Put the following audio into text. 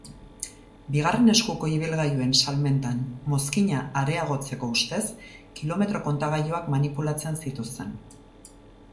Bigarren eskuko ibilgailuen salmentan mozkina areagotzeko ustez kilometro-kontagailuak manipulatzen zituzten.